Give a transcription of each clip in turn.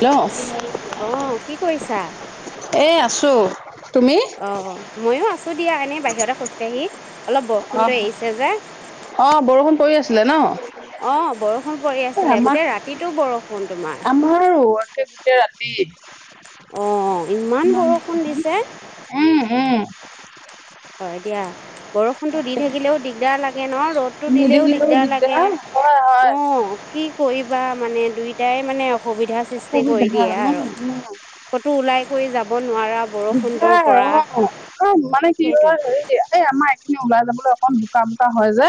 Hello অ কি কৰিছা এই আছোঁ অ মইয়ো আছো দিয়া এনে বাহিৰতে খোজকাাঢ়ি অলপ অ বৰষুণটো এৰিছে যে অ বৰষুণ পৰি আছিলে ন অ বৰষুণ পৰি এ আছিলে আমাৰ গোতেই ৰাতিটো বৰষুণ তোমাৰ তি অ ইমান বৰষুণ দিছে। উম উম! হয় দিয়া। বৰষুণটো দি থাকিলেও দিগদাৰ লাগে ন ৰ'দতটো দিলেও নিদিলেও দিগদাৰ লাগে হয় হয় অ কি কৰিবা মানে দুই, এয়াই মানে, অসুবিধা সৃষ্টি কৰি অসুবিধা দিয়ে উম আৰু, উম ক'তো ওলাই কৰি যাব নোৱাৰা বৰষুণটোৰ পৰা [unintelligible] অ', মানে কি সেইটোৱে হয়, হে‍‌‌‍ৰি এ আমাই খিনি ওলাই যাবলৈ অকন বোকা-বোকা হয় যে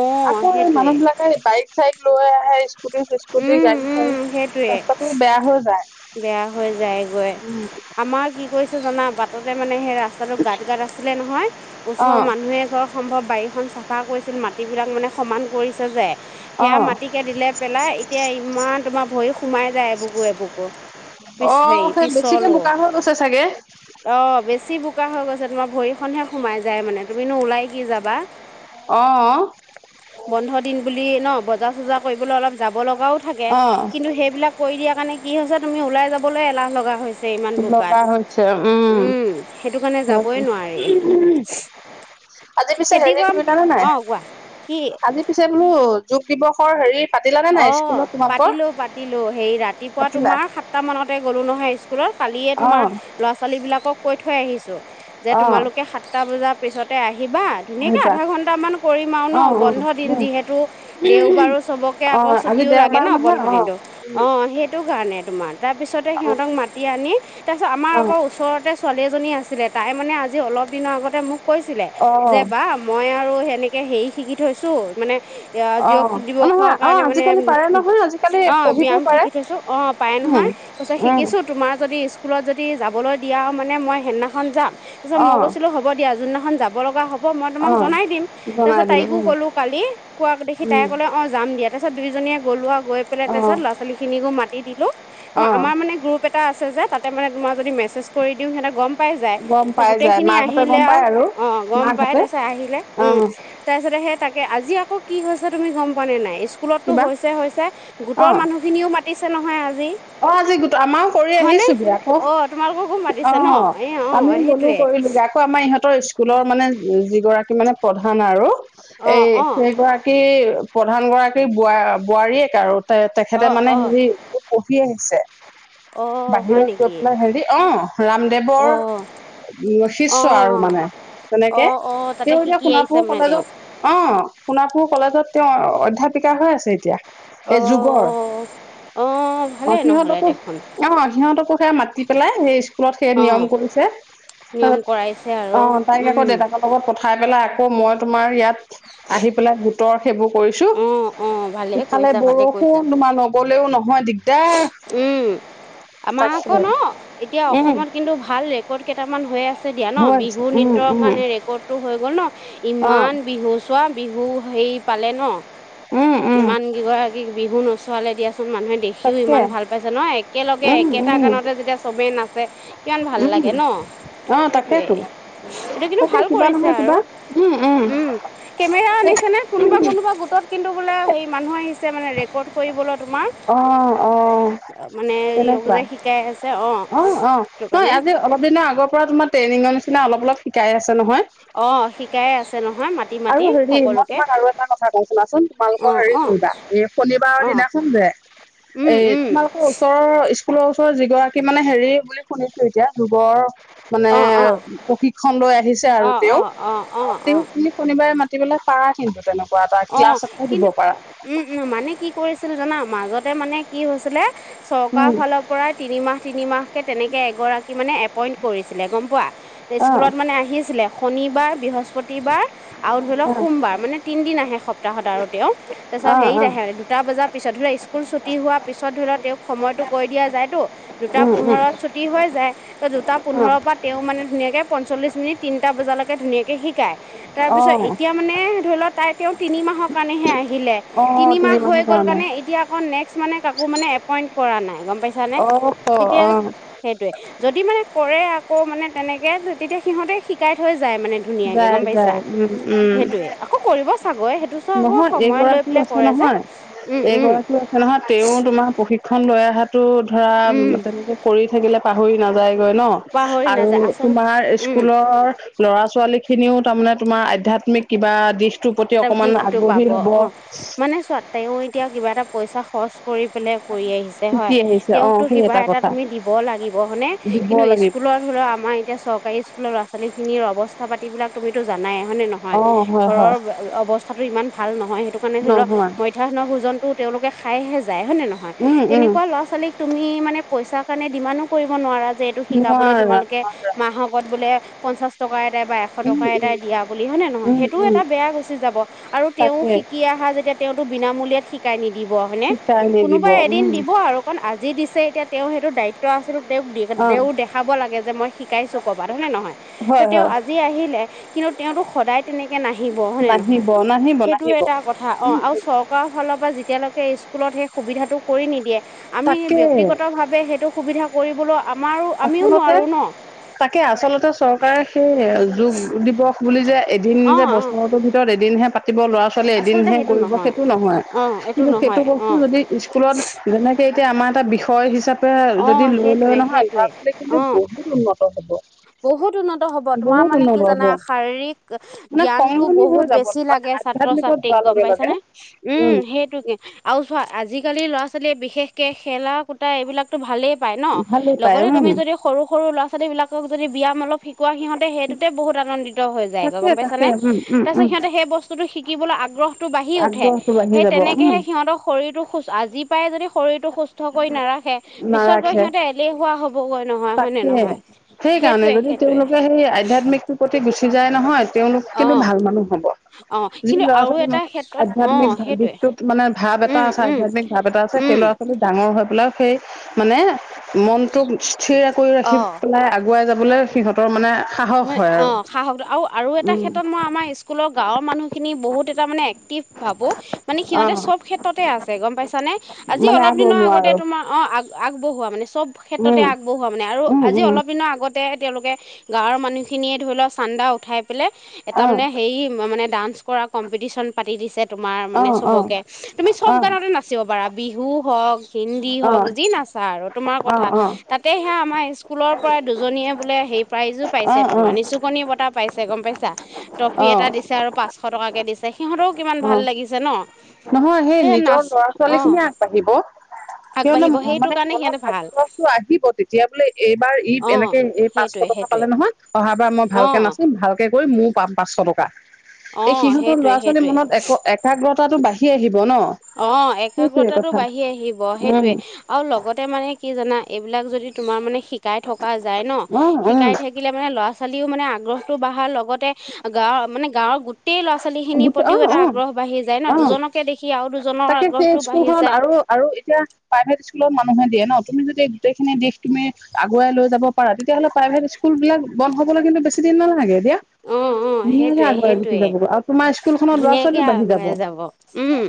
অ আকৌ মানুহ সেইটোৱে বিলাকে বাইক-চাইক লৈ আহে স্কুটি-চিস্কুতি, উম উম গাড়ী-চাৰী সেইটোৱে ৰাস্তাটো বেয়া হৈ যায়। বেয়া হৈ যায়গৈ উম', আমাৰ কি কৰিছো জানা বাটত তে মানে সে ৰাস্তাটো গাত গাত আছিলে নহয় অ ওচৰৰ মানুহ এঘৰ সম্ভ বাই খন চাফা কৰিছিল, মাটিবিলাক মানে সমান কৰিছে যে অ সেয়া মাটিকে দিলে পেলাই এ এতিয়া ইমান তোমাৰ ভৰি সোমাই যায় এবুকু এবুকু, অ পিছ হেৰি সেই বেছিকে পিছলো, বোকা হৈ গৈছে চাগে অ', বেছি বোকা হৈ গৈছে তোমাৰ ভৰি খনহে সোমাই যায় মানে, তুমিনো ওলাই কি যাবা অ', [inaudible] বন্ধ দিন বুলি ন পূজা চূজা কৰিবলৈ অলপ যাব লগ লগাওঁ থাকে, কিন্তু সেইবিলাক কৰি দিয়াৰ কাৰণে কি হৈছে তুমি ওলাই যাবলৈ এলাহ লগা হৈছ লগা হৈছে উম', সেইটো কাৰণে যাবই নোৱাৰি [unintelligible] আজি পিছে খেতি হেৰি কৰা কৰিলানে নাই, অ কোৱা কি আজি পিছে টো, যোগ দিৱসৰ হেৰিত অ', পাতিলো পাতিলো হেই ৰাতিপুৱা পাতিলা? তোমাৰ সাতটা মানতে গ'লো নহয় স্কুল স্কুলত কালিয়ে তোমাৰ অ', ল'ৰা ছোৱালীবিলাকক কৈ থৈ আহিছোঁ যে অ', তোমালোকে সাতটা বজাত পিছতে আহি ইবা ধুনীয়াকে আহিবা আধা ঘন্টামান কৰিম আৰু ন, অ', অ', বন্ধ দিন যিহেতু উম। দেওবাৰো চবক আকৌ অ', আজি চুটিও লাগে দেওবাৰ ন নহয় বন্ধ অ', দিনতটো অ', সেইটো কাৰণে তোমাৰ, তাৰ পিছতে অ', অ'। সিহঁতক মাতি আনি, তাৰ পিছত আমাৰ অ', আকৌ ওচৰতে ছোৱালী এজনী আছিলে তাই মানে আজি অলপ দিনৰ আগতে মোক কৈছিলে, যে বা মই আৰু সেনে কে হেই শিকি থৈছো মানে অ', অ', নহয় [unintelligible] অ', পাৰে মানে আজিকালি পাৰে নহয় আজিকালি অ' পঢ়িবও ব্যায়াম পাৰে। শিকি থৈছো অ' পাই উম, নহয় কৈছে উম, শিকিছো তোমাৰ যদি স্কুলত যদি যাবলৈ দিয়া মানে মই সেইদিনাখন যাম। তাৰিছত মই অ', কৈছিলোঁ হব দিয়া যোনদিনাখন যাব বলগা হ হব মই তোমাক অ'। জনাই দিম, জনাই তাৰপিছত দিম তাইকো উম, ক'লো কালি কোৱা দেখি তাই উম, ক'লে অ ইয়াৰ পিছত দুজনিয়ে গলো আকৌ গৈ পেলে তাৰপিছত অ', ল'ৰা ছোৱালী খিনিকো মাতি দিলো অ'। আমাৰ মানে গ্ৰুপ এটা আছে যে তাতে মানে তোমাৰ যদি মেছেজ কৰি দিওঁ সিহঁতে গম পাই যায় গম পাই যায় গোটেইখিনি মাকহঁতে আহিলে গম আৰু পায় অ' গম পাই মাকহঁতে তাৰপিছত আহিলে অ উম তাৰপিছতে সেই তাকে আজি আকৌ কি হৈছে তুমি গম ফনে নাই এছ স্কুলততো কিবা হৈছে-হৈছে অ গোটৰ মানুহখিনিও মাতিছে নহয় আ অ' আজি গোটৰ আমাৰও কৰি আহিছোঁ দি আকৌ অ তোমালোককো মাতিছে ন অ' এ অ আমিও গলো সেইটোৱে কৰিবলৈ আকৌ আমাৰ ইহঁতৰ স্কুলৰ মানে যিগৰাকী মানে প্ৰধান আৰু অ এই অ সেইগৰাকী প্ৰধান গৰাকীৰ বোৱা বোৱাৰীয়েক আৰু। তে অ তেখেতে মানে অ হেৰি কি আহিছে? অ হয় বাহিৰত গৈ নেকি পেলাই হেৰি অ' অ ৰামদেৱৰ অ শিষ্য অ আৰু মানে অ তেনেকে অ তাতে তেও এতিয়া শিকি আহিছে সোণাপুৰ মানে তেওঁ কলেজত অ' সোণাপুৰ কলেজত তেওঁ অধ্যয়াপিকা হৈ আছে এতিয়া। এই যুগৰ অ', অ' অ' ভালেই নহ'লে সিহঁতকো দেখোন অ' সিহঁতকো সে মাতি পেলাই সেই স্কুলত সেই অ নিয়ম কৰিছে তাৰ নিয়ম কৰাইছে আৰু পিচত অ' তাইক উম আকৌ দেউতাকৰ লগত পঠি খাই পেলাই আকৌ মই তোমাৰ ইয়াত আহি পেলাই ত সেইবোৰ কৰিছো অ অ ভালেই ইফালে কৰিছা ভালেই বৰষুণ কৰিছা তোমাৰ নগলেও নহয় দিগদাৰ উম আমাৰ আকৌ তাকে ন এতিয়া উম, অসমত কিন্তু ভাল ৰেকৰ্ড কেইটামান হৈ আছে দিয়া ন, হৈ আছে বিহু উম, নৃত্যৰ উম, কাৰণে ৰেকৰ্ডটো হৈ গ'ল ন অ', ইমান বিহু চোৱা বিহু হু হেৰি পালে ন? উম, উম, ইমান কেইগৰাকীক বিহু নচ চোৱালে দিয়াছ কিমান মানুহে দেখিও তাকে ইমান ভাল পাইছে ন! একেলগে উম, একেটা উম। গানতে যেতিয়া চবেই নাচে কিমান ভাল লাগে উম, ন! অঁ সেইটোৱেই তাকেতো সেইটো, কিন্তু তাকে ভাল কিবা কৰিছে নহয় আৰু কিবা উম উম' কেমেৰা এ আনিছে নে? কোনোবা কোনোবা লে হেৰি, মানুহ আহিছে মানে ৰেকৰ্ড কৰিবলত- অ, অ' মানে য়োগ তেনেকুৱা যে শিকাই আছে অ' অ' সেইটো নহয় কাৰণে আজি অলপ দিনৰ আগৰ পৰা তোমাৰ ট্ৰেইনিঙৰ নিচিনা অলপ অলপ শিকাই আছে নহয়। অ শিকাইে আছে নহ আৰু হেৰি মই তোমাক আৰু এটা কথা কওঁ শুনাচোন। অ তোমালোকৰ হেৰি অ কৰিবা, এই অ শনিবাৰৰ দিনাখন যে, উম এই উম তোমালোকৰ ওচৰৰ ইচ স্কুলৰ ওচৰ যিগৰাকী মানে হেৰি বুলি শুনিছো, এতিয়া যোগৰ- মানে অ অ প্ৰশিক্ষণ লৈ আহিছে অ আৰু অ তেওঁ অ অ অ তেওঁ কি প্ৰাই মাতিবলে পাৰা কিন্তু তেনেক অ' কিন্তু উম উম মানে কি কৰিছিল জানা? মাজতে মানে কি হৈছিলে? চৰকাৰ উম ফালৰ পৰাই তিনিমাহ, তিনিমাহকে তেনেকে এগৰাকী মানে এপইণ্ট কৰিছিলে, গম পোৱা? অঁ স্কুলত মানে আহিছিলে। শনি বাৰ বৃহস্প পতিবাৰ, আও ধৰি লওক অ', সোমবাৰ মানে তিন দিন আহে। সপ্তাহত আৰু তেওঁ তাৰপিছত অ', হেইত অ', আহে দুটা বজাৰ পিছত। ধৰি ল' স্কুল ছুটি হোৱাৰ পিছত ধৰি লওক তেওঁক সময়টো কৈ দিয়া যায়তো, দুটা উম, পোন্ধৰত ছুটি হৈ যায়। ত' দুটা উম, পোন্ধৰৰ পৰা তেওঁ মানে ধুনীয়াকে পঞ্চল্লিশ মিনিট তিনটা বজালৈকে ধুনীয়া শিকি-শিকায়। তাৰ পিছত অ', এতিয়া মানে ধৰি লোৱা তাইত তেওঁ তিনি মাহৰ কাৰণেহে আহিলে। অ', অ', তিনিমাহ হৈ মাহৰ গ'ল কাৰণে এতিয়া আকৌ নেক্স মানে কাকো মানে এপইণ্ট কৰা নাই। গম পাইছা নে? অ', তেতিয়া অ', সেইটোৱে যদি মানে কৰে আকৌ মানে তেনেকে তেতিয়া সিহঁতে শিকাই থৈ যায় মানে ধুনীয়াকে, যায়, গম পাইছা? যায়, উম, উম, সেইটোয়ে আকৌ কৰিব চাগৈ সেইটো চ আকৌ নহয় সময় লৈ এইগৰাকীও পেলাই আছে কৰে যে নহয়, উম উম এইগৰাকীও আছে নহয়, তেওঁ তোমাৰ প্ৰশি খন লৈ আহাত টো ধৰা উম তেনেকে কৰি থাকিলে পাহৰি নায- যাইগৈ ন' পাহৰি আৰু নাযায় আচল তোমাৰ উম স্কুলৰ ল'ৰা ছোৱালী খিনিও তাৰমানে তোমাৰ আধ্যাত্মিক কিবা দিশ এটাও দিশটো পাব অ, মানে চোৱা তেওঁ এতিয়া কিবা এটা পইচা খৰচ কৰি পেলে কৰি আহিছে হয় শিকি আহিছে অ', তেওঁকতটো সেই কিবা এটা কথা তুমি দিব লাগিব হয়নে দিব কিন্তু লাগিব স্কুলত ধৰা আমাৰ এতিয়া চৰকাৰী স্কুলৰ লৰা - ছোৱালী ল'ৰা-ছোৱালীখিনিৰ অৱস্থা পাতিবিলাক তুমিতো জানায়ে? হয় নে নহয় অ', হয়, ঘৰৰ হয়, [unintelligible] অৱস্থাটো ইমান ভাল নহয় সেইটো কাৰণে ধৰি লওক নহয় মধ্যাহ্ন ভোজনতো তেওঁলোকে খাইহে য যায় হয় নে নহয় তেনেকুৱা ল'ৰা-ছোৱালীক তুমি মানে পইচাৰ কাৰণে ডিমানো কৰিব নোৱাৰা। যে এইটো নোৱাৰা, শিকাবলৈ তোমালোকে নোৱাৰা। মাহকত বোলে পঞ্চাশ টকা এটাই বা এশ উম, টকা উম, এটাই দিয়া বুলি হয় নে নহয় উম, সেইটোও উম, এটা বেয়া গুচি যাব আৰু তেওঁ তাকে শিকি অহা যেতিয়া তেওঁটো বিনামূলীয়াত শিক কানিক দিব হয়নে, চিকাই নিদিব, কোনোবাই এদিন উম। দিব আৰু কাৰণ আজি দিছে এতিয়া তেওঁ সেইটো দায়িত ক'। তেওঁক অ', তেওঁ দেখাব লাগে যে মই শিকাইছো কবাত হয়নে নহয় ত' হয়, তেওঁ হয়, আজি আহিলে। কিন্তু তেওঁতটো সদায় তেনেকে নাহ আহিব হয় নে নহয় নাহিব, নাহিব, সেইটো নাহিব, এটা কথা অ' উম, আৰু চৰকাৰৰ ফালৰ পৰা যেতিয়ালৈকে স্কুলত সেই সুবিধাটো কৰি নিদিয়ে। আমি তাকে। ব্যক্তিগতভাৱে সেইটো সুবিধা কৰি বোলা আচলতে তাকে আচলতে চৰকাৰে সেই যোগ দিৱস বুলি যে এদিন অ যে অ বছৰতো বছৰত এদিন হে পাতে। কেবল ল'ৰা-ছোৱালী এদিনহে কৰিব সেইটো নহয় অ এইটো কিন্তু সেইটো নহয় অ বস্তু যদি স্কুলত যেনেকে আমাৰ এটা বিষয় হিচাপ তাকে অ যদি লৈ লৈ সেইটোৱে নহয় সেইটোৱে ইয়াক ইয়াত কিন্তু অ বহুত উন্নত হ'ব, বহুত উন্নত হ'ব তোমাৰ বহুত মানে কি উন্নত হ'ব। জানা শাৰীৰিক মানে জ্ঞানতটো সংহনী হৈ বহুত যাব বেছি নহয় লাগে ছাত্ৰ আধ্যাত্মিকত ছাত্ৰীক যোৱাৰ গম লগে লগে। পাইছানে উম সেইটোকে আৰু চোৱা আজি আজিকালি ল'ৰা ছোৱালীয়ে বিশেষক খেলা কূটা এইবিলাকতো ভালেই পাই ন ভালেই পায় লগতে উম। তুমি যদি সৰু সৰু ল'ৰা ছোৱালী বিলাক মোক যদি ব্যয়াম অলপ শি কোৱা সিহঁতে সেইটোতে বহুত আনন্দিত হৈ যায় তাকে গম পাইছা তাকে নাই উম উম তাৰ পিছত উম সিহঁতে সেই বস্তুতটো শিকিবলৈ আগ্ৰহতটো বাঢ়ি উঠে আগ্ৰহটো বাঢ়ি সেই যাব উম। তেনেকেহে সিহঁত শৰীৰৰটো খোজ আজি পায় যদি শৰীৰটো সুস্থ কৰি নাৰাখে, পিছত গৈ নাৰাখে। সিহঁতে এলেহুৱা হ'ব গৈ। নহয়, হয়নে নহয়। কাম নাই যদি সেইটোৱে তেওঁলোকে সেই আধ্যাত্মিকটোৰ প্ৰতি গুচি যায় নহয় তেওঁলোক অ কিন্তু ভাল মানুহ হব। অ যি কিন্তু ল'ৰা আৰু এটা ছোৱালীৰ ক্ষেত্ৰত অ আধ্যয়াত্মিক সেইটোৱে দিশটোত মানে ভাৱ এটা উম আছে উম আধ্যয়াত্মিক ভাৱ এটা আছে সেই উম ল'ৰা ছোৱালী ডাঙৰ হৈ পেলাই সেই মানে মনটো [unintelligible] কৰি ৰাখি অ পেলাই আগ [unintelligible] আগুৱাই যাবলৈ সিহঁতৰ মানে সাহস মই হয় আৰু। অহ সাহস, আৰু আৰু এটা উম। ক্ষেত্ৰত মই আমাৰ স্কুলৰ গাঁৱৰ মানুহখিনি বহুত এটা মানে ভাবো মানে সিহঁতে অ'। চব ক্ষেত্ৰতে আছে গম পাইছানে আজি মানে অলপ আকৌ দিনৰ আগতে নোৱাৰো তোমাৰ অ। আগবঢ়োৱা মানে চব ক্ষেত্ৰতে উম আগবঢ়োৱা মানে আৰু উম আজি উম অলপ দিনৰ আগত তেতিয়াহে তেওঁলোকে গাঁৱৰ মানুহখিনিয়ে ধৰিলওক চান্দা উঠাই পেলাই এটা অ মানে হেৰি মানে ডান্স কৰা কম্পিটিশ্যন পাতি দিছে তোমাৰ অ মানে অ চবকে, তুমি চব অ অ গানতে নাচিব পৰা বিহুও হওক হিন্দী অ হওঁক যি অ নাচা আৰু তোমাৰ কথা তাতে সেয়া আমাৰ স্কুলৰ পৰাই দুজনীয়ে বোলে সেই প্ৰাইজো অ অ পাইছে তোমাৰ, নিচুকনি বঁটা পাইছে পিছে গম পাইছা ট্ৰফি অ এটা অ দিছে আৰু পাচ এশ টকাকৈ দিছে সিহঁতেও কিমান ভাল লাগিছে ন নহয় সেই নিজৰ নাচ লৰা ছোৱালী অ খিনিয়ে আগবাঢ়িব, কিয়নো আগবাঢ়িব সেইটো মানে কাৰণে মনত সিহঁতে ভাল আগটো আহিব তেতিয়া বোলে এইবাৰ ই অ এনেকে এই পাচ সেইটোৱে বঁটা সেইটোৱে পালে নহয়, অহাবাৰ মই অ ভালকে নাচিম ভালকে কৈ মো পাম পাঁচশ টকা। অ এই সিহঁতৰ সেইটোৱে ল'ৰা ছোৱালীৰ সেইটোৱে মনত এক একাগ্ৰতা টো বাই আহিব অ' একাগ্ৰতাটো কথা বাঢ়ি আহিব উম সেইটয়ে আৰু লগতে মানে কি জানা এইবিলাক যদি তোমাৰ মানে শিকাই থকা যাই ন অ উম শিকাই থাকিলে মানে ল'ৰাচ ছালীও মানে আগ্ৰহতটো বাঢ়াৰ লগতে গাঁৱৰ মানে গাঁৱৰ গো গোটেয় ল'ৰা ছোৱালী খিনিৰ গোটেই অ প্ৰতিও এটা অ আগ্ৰহ বাঢ়ি যায় ন অ দুজনকে দেখি আৰু দুজনৰ তাকে সেই আগ্ৰহটো বাঢ়ি স্কুলখন যায় আৰু আৰু এতিয়া প্ৰাইভেট স্কুলত মানুহে দিয়ে ন তুমি যদি গোটে খিনি দিশ তুমি আগুৱাই লৈ যাব পাৰা তেতিয়াহ'লে প্ৰাইভেট স্কুল বিলাক বন্ধ হবলৈ কিন্ত বেছি দিন নালাগে। দিয়া অ অ ধুনীয়াকে সেইটোৱে আগুৱাই গুচি সেইটোৱে যাব তোমাৰ স্কুলখনৰ ল'ৰা ধুনীয়াকে ছোৱালীও বাঢ়ি আগুৱাই যাব উম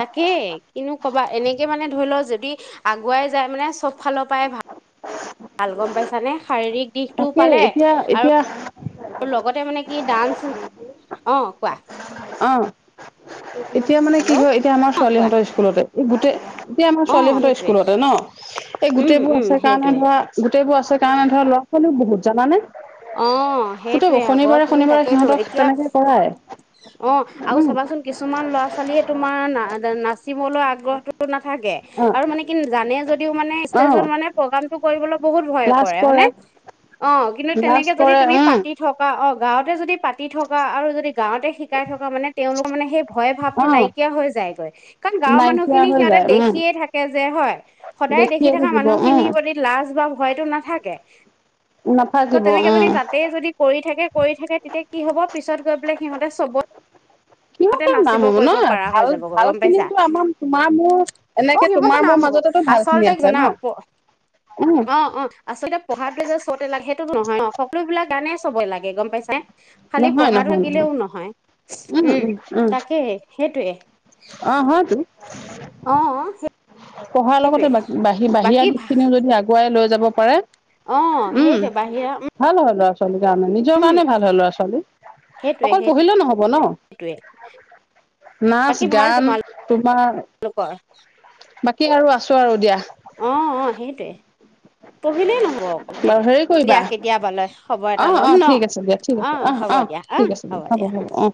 তাকেই কিনো কবা এনেকে এ মানে ধৰি লওক যদি আগুৱাই যায় মানে চব ফালৰ পৰাই ভাল ভাল গম পাইছানে? শাৰীৰিক দিশটো তাকে পালে এতিয়া এতিয়া আৰু [inaudible] লগতে মানে কি ডানচ অ, কোৱা অ', এতিয়া মানে হেল্ল' কি হয় এতিয়া আমাৰ অ কোৱা ছোৱালীহঁতৰ স্কুলতে এই গোটে এতিয়া আমাৰ অ ছোৱালীহঁতৰ সেইটোৱে স্কুলতে ন' এই উম গোটেই বোৰ উম আছে কাৰণে সেইটোৱে ধৰা গোট তেএইবো আছে কাৰণে ধৰ ল'ৰা-ছোৱালীও বহুত জানানে? অ সেইটোৱে [unintelligible] আকৌ তুমি শনিবাৰে-শনিবাৰে তাকেতো সিহঁতক এতিয়া তেনেকে কৰাই। অ, আৰু উম চাবাচোন কিছুমান ল'ৰা-ছোৱালীয়ে তোমাৰ নাজা নাচিবলৈ আগ্ৰহটো না থাকে আৰু মানে কি জানে যদি দি মানে অ অ ষ্টেজত মানে প্ৰগ্ৰামটো কৰিবলৈ বহুত ভয় কৰে হয়নে? অ' কিন্তু লাজ তেনেকে যদি কৰে তুমি উম পাতি থকা অ গাঁৱতে যদি পাতি থকা আৰু যদি গাঁৱতে শিকাই থকা মানে তেওঁলোকৰ মানে সেই ভয় ভাৱটো অ নাইকিয়া হৈ যায়গৈ কাৰণ গাঁৱৰ নাইকিয়া মানুহখিনি হৈ সিহঁতে যায় উম দেখিয়ে থাকে যে হয় সদায় দেখি দেখিয়ে থকা থাকিব উম মানুহখিনিৰ প্ৰতি লাজ বা ভয়তো নাথাকে ত নাথাকিব তেনেকে যদি উম তাতেই যদি কৰি থাকে কৰি থাকে তেতিয়া কি হ'ব পিছত গৈ পেলাই সিহতে চব তে কিহতে নাম নাচিব হ'ব ন কৰিব পাৰা হৈ ভাল যাব ভাল গম পাইছা? খিনিতো আমাৰ তোমাৰ মোৰ অ' এনেকে সিহঁতে তোমাৰ মোৰ নাম হ'ব মাজতেতো ভাল খিনি আচলতে আছে ন জনা, উম অ', অ', আচলতে পঢ়টো যে চবতে লাগে নহয় অ' সকলো বিলাক গানে চবে লাগে গম পাইছাই নে। খালি নহয় পঢ়া নহয় থাকিলেও নহয়, উম তাকেই সেইটোৱে। উ [unintelligible] অ' সে পঢ়াৰ লগতে বাহি-বাহিৰা ভা দিশ খিনিও যদি আগুৱাই লৈ যাব পাৰে অ', উম সেইটো বাহিৰা ভাল হয় ল'ৰা ছোৱালীৰ কাৰণে নিজৰ উম কাৰণে ভাল হ'য় ল'ৰা সেইটোৱে অকল পঢ়িলেও নহব ন, সেইটোৱে নাচ বাকী ভাল গান তোমাৰ তোমালোকৰ বাকী আৰু আছো আৰু দিয়া। অ', অ', সেইটোৱে। পঢ়িলেই নহব অকল সেই বাৰু দিয়া, হেৰি কৰিবা দিয়া কেতিয়াব লৈ খবৰ অ এটা অ ল'ম ন, ঠিক আছে দিয়া ঠিক আছে অ' অহ হ'ব অহ দিয়া ঠিক অ' আছে হ'ব দিয়া। অ